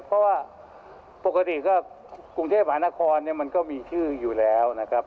เพราะว่าปกติก็กรุงเทพหานครเนี่ยมันก็มีชื่ออยู่แล้วนะครับ